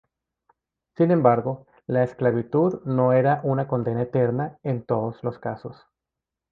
Sin embargo, la esclavitud no era una condena eterna en todos los casos.